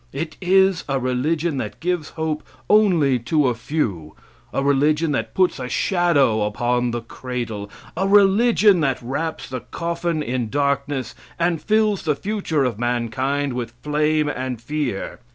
It is a religion that gives hope only to a few; a religion that puts a shadow upon the cradle; a religion that wraps the coffin in darkness and fills the future of mankind with flame and fear.